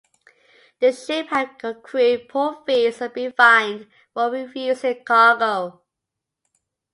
The ship had accrued port fees and been fined for refusing cargo.